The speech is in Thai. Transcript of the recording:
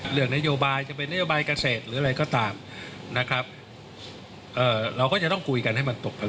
เราก็จะต้องคุยกันให้มันตกทั้ง๑